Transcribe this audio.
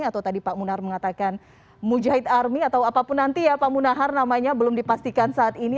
atau tadi pak munar mengatakan mujahid army atau apapun nanti ya pak munahar namanya belum dipastikan saat ini